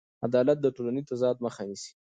عدالت د ټولنیز تضاد مخه نیسي.